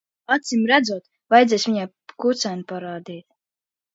Acīmredzot, vajadzēs viņai kucēnu parādīt.